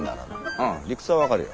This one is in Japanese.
うん理屈は分かるよ。